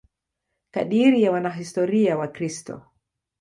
Kadiri ya wanahistoria Wakristo.